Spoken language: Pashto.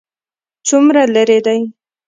څومره لیرې دی؟